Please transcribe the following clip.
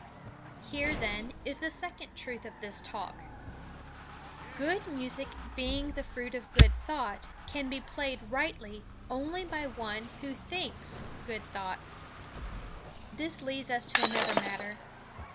Here, then, is the second truth of this Talk: Good music being the fruit of good thought can be played rightly only by one who thinks good thoughts. This leads us to another matter.